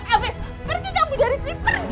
afif pergi kamu dari sini pergi